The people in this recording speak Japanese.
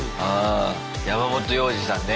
山本耀司さんね。